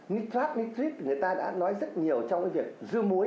nitrate nitrite người ta đã nói rất nhiều trong cái việc dưa muối